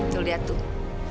tuh lihat tuh